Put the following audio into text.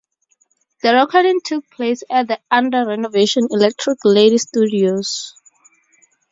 The recording took place at the under renovation Electric Lady Studios.